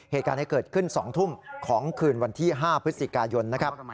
เหตุการณ์นี้เกิดขึ้น๒ทุ่มของคืนวันที่๕พฤศจิกายนนะครับ